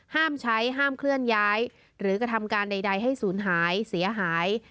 ห้ามใช้ห้ามเคลื่อนย้ายหรือกระทำการใดให้ศูนย์หายเสียหาย